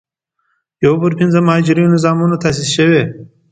یو پر پينځمه مهاجرینو زامنو تاسیس شوې.